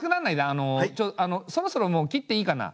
あのそろそろもう切っていいかな？